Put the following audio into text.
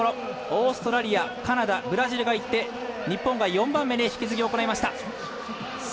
オーストラリア、カナダブラジルがいって、日本が４番目で引き継ぎを行いました。